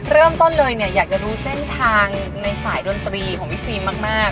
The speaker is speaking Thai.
เริ่มต้นเลยเนี่ยอยากจะรู้เส้นทางในสายดนตรีของพี่ฟิล์มมาก